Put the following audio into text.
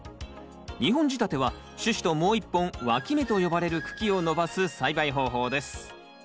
２本仕立ては主枝ともう一本わき芽と呼ばれる茎を伸ばす栽培方法です。